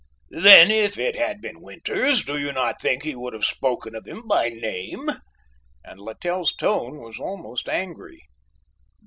"Then if it had been Winters, do you not think he would have spoken of him by name?" and Littell's tone was almost angry.